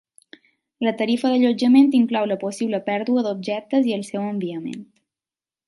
La tarifa d'allotjament inclou la possible pèrdua d'objectes i el seu enviament.